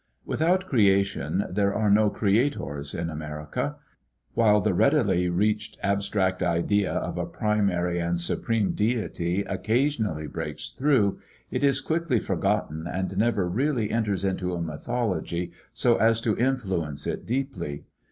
Without creation, there are no creators in America. While the readily reached abstract idea of a primary and supreme deity occasionally breaks through, it is quickly forgotten and never really enters into a mythology so as to influence it deeply.